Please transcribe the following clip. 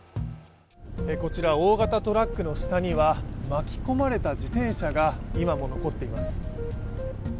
大型トラックの下には巻き込まれた自転車が今も残っています。